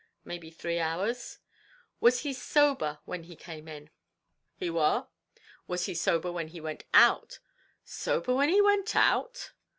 "Maybe three hours." "Was he sober when he came in?" "He war." "Was he sober when he went out?" "Sober when he went out?"